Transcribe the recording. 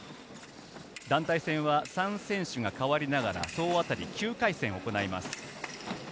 団体戦は３選手が代わりながら、総渡り、９回戦行います。